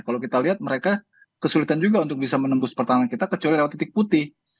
kalau kita lihat mereka kesulitan juga untuk bisa menembus pertahanan kita kecuali lewat titik putih